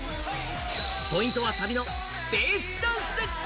ポイントはサビのスペースダンス。